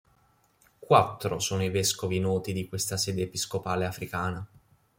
Quattro sono i vescovi noti di questa sede episcopale africana.